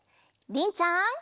りんちゃん。